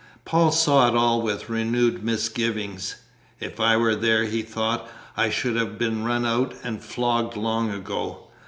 Paul saw it all with renewed misgiving. "If I were there," he thought, "I should have been run out and flogged long ago!